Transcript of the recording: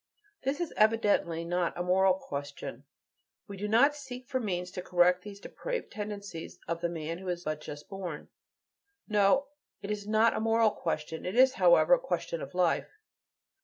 This is evidently not a moral question. We do not seek for means to correct these depraved tendencies of the man who is but just born. No, it is not a moral question. It is, however, a question of life.